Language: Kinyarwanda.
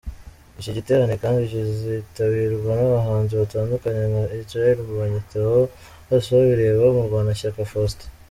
Iki giterane kandi kizitabirwa n’abahanzi batandukanye nka Israel Mbonyi, Theo Bosebabireba , Murwanashyaka Faustin.